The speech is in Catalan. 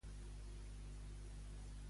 Com les va designar l'emperador?